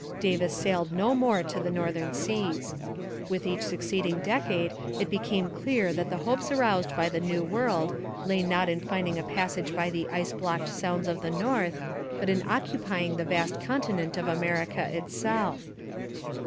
Davis sailed no more to the northern seas. With each succeeding decade it became clear that the hopes aroused by the New World lay not in finding a passage by the ice blocked sounds of the north, but in occupying the vast continent of America itself.